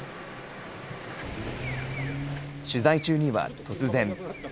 取材中には突然。